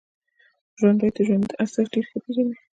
ژوندي د ژوند ارزښت ډېر ښه پېژني